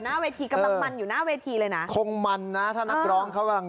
หน้าเวทีกำลังมันอยู่หน้าเวทีเลยนะคงมันนะถ้านักร้องเขากำลัง